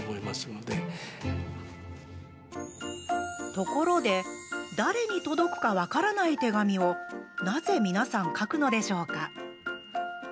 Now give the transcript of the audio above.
ところで誰に届くか分からない手紙をなぜ皆さん書くのでしょうか？